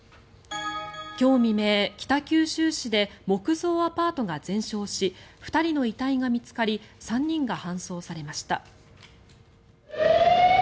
今日未明、北九州市で木造アパートが全焼し２人の遺体が見つかり３人が搬送されました。